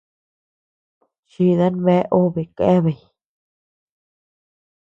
Chidan bea obe keabeay.